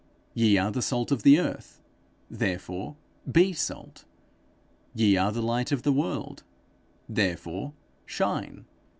'Ye are the salt of the earth; therefore be salt.' 'Ye are the light of the world; therefore shine.'